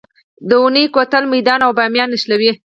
د اونی کوتل میدان او بامیان نښلوي